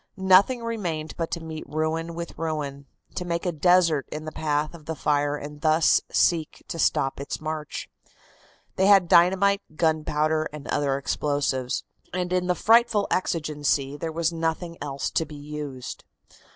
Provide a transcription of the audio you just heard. Nothing remained but to meet ruin with ruin, to make a desert in the path of the fire and thus seek to stop its march. They had dynamite, gunpowder and other explosives, and in the frightful exigency there was nothing else to be used.